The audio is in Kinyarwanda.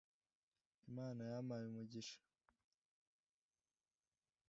imana yampaye umugisha